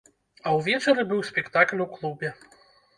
А ўвечары быў спектакль у клубе.